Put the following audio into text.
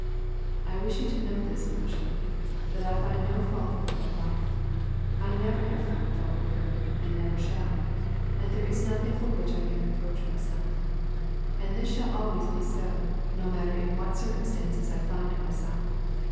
"I wish you to know this, Masha, that I find no fault with my wife, I never have found fault with her and never shall, and there is nothing for which I can reproach myself; and this shall always be so, no matter in what circumstances I find myself.